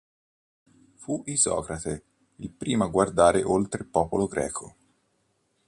Fu Isocrate il primo a guardare oltre il popolo greco.